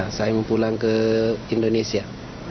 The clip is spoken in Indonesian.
saya mau pulang ke indonesia